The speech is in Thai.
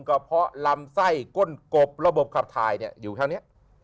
กระเพาะลำไส้ก้นกบระบบคัพทายเนี่ยอยู่ข้างเนี้ย